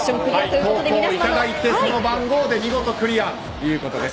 投稿いただいてその番号で、見事クリアです。